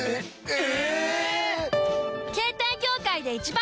え？